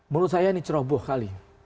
menurut saya ini ceroboh kali